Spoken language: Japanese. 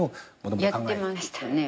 やってましたね。